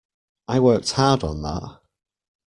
I worked hard on that!